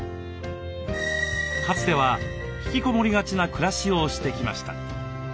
かつては引きこもりがちな暮らしをしてきました。